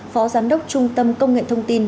phó giám đốc trung tâm công nghệ thông tin